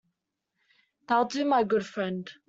That'll do, my good friend!